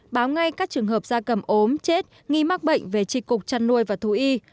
báo ngay các trường hợp da cầm ốm chết nghi mắc bệnh về trị cục chăn nuôi và thú y